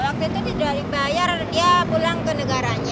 waktu itu sudah dibayar dia pulang ke negaranya